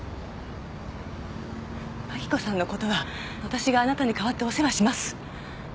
真紀子さんのことは私があなたに代わってお世話します